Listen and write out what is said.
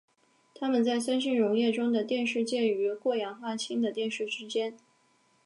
它们在酸性溶液中的电势介于过氧化氢的电势之间。